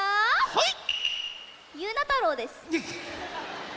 はい。